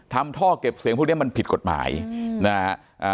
ทำท่อเก็บเสียงพวกเนี้ยมันผิดกฎหมายอืมนะฮะอ่า